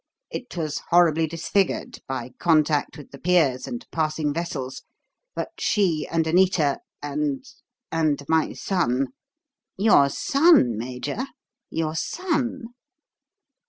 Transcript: It was horribly disfigured by contact with the piers and passing vessels but she and Anita and and my son " "Your son, Major? Your son?"